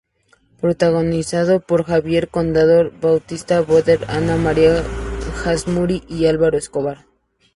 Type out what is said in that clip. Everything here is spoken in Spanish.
Protagonizada por Javiera Contador, Bastián Bodenhöfer, Ana María Gazmuri y Álvaro Escobar.